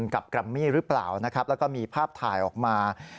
แกรมมี่หรือเปล่านะครับแล้วก็มีภาพถ่ายออกมา